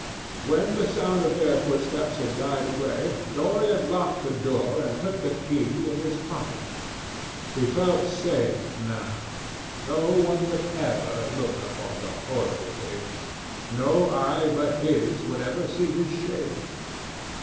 When the sound of their footsteps had died away, Dorian locked the door and put the key in his pocket. He felt safe now. No one would ever look upon the horrible thing. No eye but his would ever see his shame.